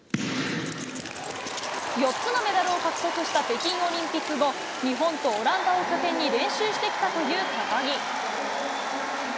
４つのメダルを獲得した北京オリンピック後、日本とオランダを拠点に練習してきたという高木。